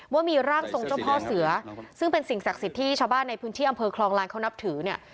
ว่ามีร่างทรงเจ้าพ่อเสือซึ่งเป็นสิ่งศักดิ์สิทธิ์ที่ชาวบ้านในพื้นที่อำเภอคลองลานเขานับถือเนี่ย